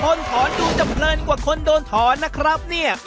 คนถอนดูจะเพลินกว่าคนโดนถอนนะครับเนี่ย